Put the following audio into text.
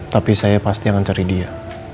tapi saya pasti akan cari dia